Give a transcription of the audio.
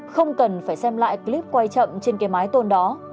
không cần phải xem lại clip quay chậm trên cái mái tôn đó